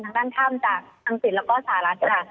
ทางด้านถ้ำจากอังกฤษแล้วก็สหรัฐค่ะ